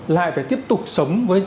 lại phải tiếp tục sống với